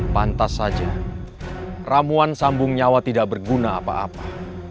pantas saja ramuan sambung nyawa tidak berguna apa apa